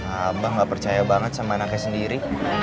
abah gak percaya banget sama anaknya sendiri